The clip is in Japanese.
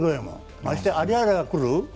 ましてや有原が来る。